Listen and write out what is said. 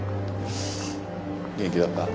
元気だった？